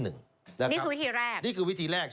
นี่คือวิธีแรก